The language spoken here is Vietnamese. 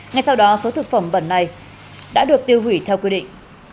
ngay sau đó số thực phẩm bẩn này đã được tiêu hủy theo quy định